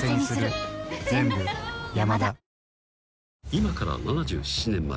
［今から７７年前。